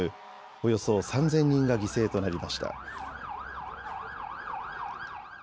およそ３０００人が犠牲となりました。